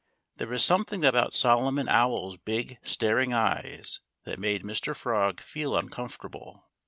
There was something about Solomon Owl's big, staring eyes that made Mr. Frog feel uncomfortable.